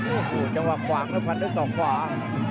โอ้โหจังหวะขวางแล้วฟันด้วยศอกขวา